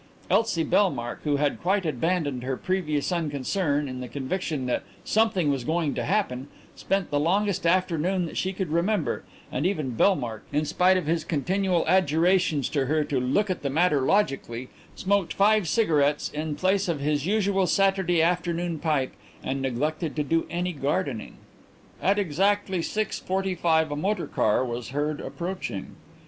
Elsie Bellmark, who had quite abandoned her previous unconcern, in the conviction that "something was going to happen," spent the longest afternoon that she could remember, and even Bellmark, in spite of his continual adjurations to her to "look at the matter logically," smoked five cigarettes in place of his usual Saturday afternoon pipe and neglected to do any gardening. At exactly six forty five a motor car was heard approaching.